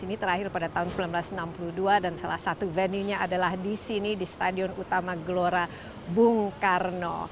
ini terakhir pada tahun seribu sembilan ratus enam puluh dua dan salah satu venue nya adalah di sini di stadion utama gelora bung karno